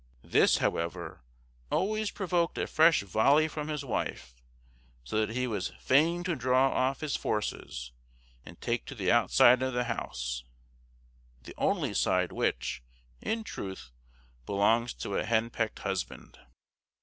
This, however, always provoked a fresh volley from his wife, so that he was fain to draw off his forces, and take to the outside of the house the only side which, in truth, belongs to a henpecked husband.